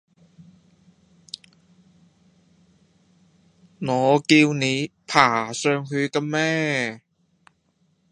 我叫你爬上去㗎咩